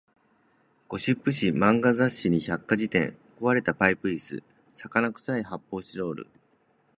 ゴシップ誌、漫画雑誌に百科事典、壊れたパイプ椅子、魚臭い発砲スチロール